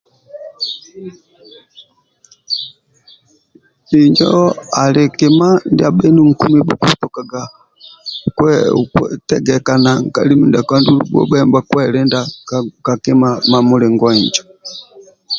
Injo ali kima ndia bhenu nkumi bhkutokaga kwe kwe tegeka na nkali mindiako andulu bhubhe nibhukwelinda ka kima mamulingo injo